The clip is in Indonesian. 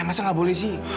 masa gak boleh sih